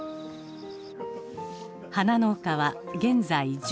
花農家は現在１５軒。